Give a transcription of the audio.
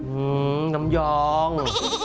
หือกำยอง